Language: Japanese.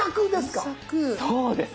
そうです！